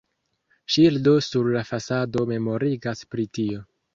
Ŝildo sur la fasado memorigas pri tio.